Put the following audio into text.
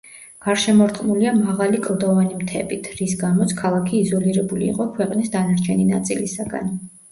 გარშემორტყმულია მაღალი კლდოვანი მთებით, რის გამოც ქალაქი იზოლირებული იყო ქვეყნის დანარჩენი ნაწილისაგან.